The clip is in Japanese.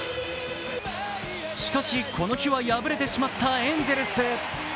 しかし、この日は敗れてしまったエンゼルス。